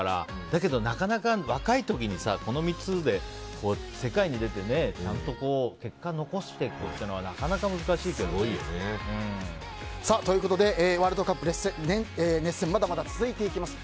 だけど、なかなか若い時にこの３つで世界に出て、ちゃんと結果を残していくというのはなかなか難しいけどね。ということでワールドカップ熱戦、まだまだ続いていきます。